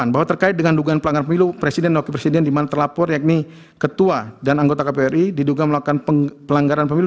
bahwa terkait dengan dugaan pelanggaran pemilu presiden dan wakil presiden di mana terlapor yakni ketua dan anggota kpri diduga melakukan pelanggaran pemilu